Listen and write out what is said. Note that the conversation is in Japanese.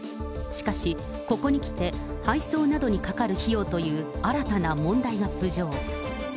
しかし、ここにきて、配送などにかかる費用という新たな問題が浮上。